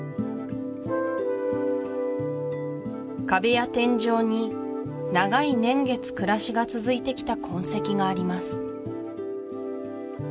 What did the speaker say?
壁や天井に長い年月暮らしが続いてきた痕跡があります